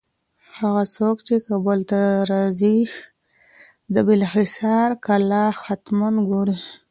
هغه څوک چي کابل ته راځي، د بالاحصار کلا حتماً ګوري.